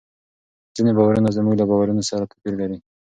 ځینې باورونه زموږ له باورونو سره توپیر لري.